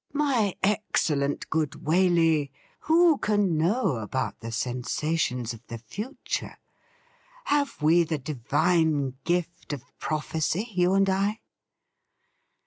' My excellent good Waley, who can know about the sensations of the future ? Have we the divine gift of prophecy, you and I